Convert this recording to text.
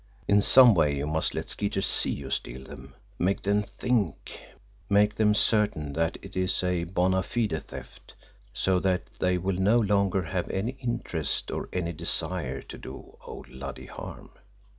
... In some way you must let the Skeeter SEE you steal them, make them think, make them certain that it is a bona fide theft, so that they will no longer have any interest or any desire to do old Luddy harm.